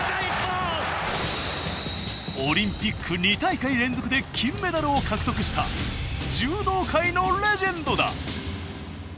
オリンピック２大会連続で金メダルを獲得した柔道界のレジェンドだ。